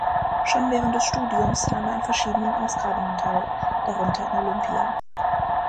Schon während des Studiums nahm er an verschiedenen Ausgrabungen teil, darunter in Olympia.